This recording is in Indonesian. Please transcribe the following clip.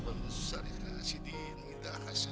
wa min sari rasidin ita hasyad